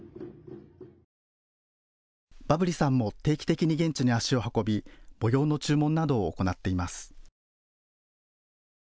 バブリさんも定期的に現地に足を運び模様の注文などを行っています。